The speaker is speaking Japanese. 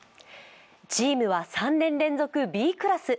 チームは３年連続Ｂクラス。